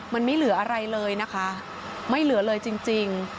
มันไม่เหลืออะไรเลยนะคะไม่เหลือเลยจริง